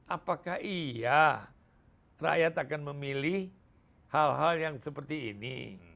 apakah iya rakyat akan memilih hal hal yang seperti ini